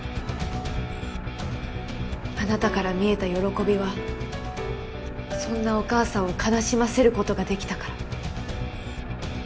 あなたから見えた「喜び」はそんなお母さんを悲しませることができたから。